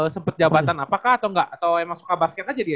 sempat jabatan apakah atau enggak atau emang suka basket aja dia